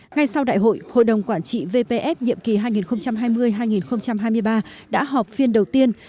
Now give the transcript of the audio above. ngay sau đại hội hội đồng quản trị vpf nhiệm kỳ hai nghìn hai mươi hai nghìn hai mươi ba đã họp phiên đầu tiên